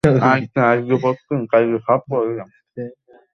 তাদের কারণেই, আমার এখন জানতে ইচ্ছে হয় বেড়ে উঠতে কেমন লাগে।